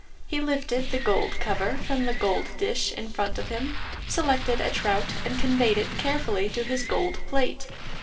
He lifted the gold cover from the gold dish in front of him, selected a trout and conveyed it carefully to his gold plate.